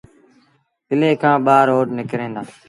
ڪلي کآݩ ٻآ روڊ نڪريݩ دآ۔